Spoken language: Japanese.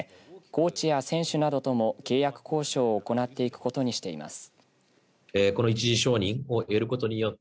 コーチや選手などとも契約交渉を行っていくことにしています。